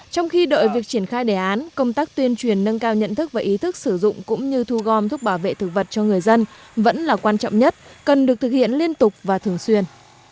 trong khi đợi việc triển khai đề án công tác tuyên truyền nâng cao nhận thức và ý thức sử dụng cũng như thu gom thuốc bảo vệ thực vật cho người dân vẫn là quan trọng nhất cần được thực hiện liên tục và thường xuyên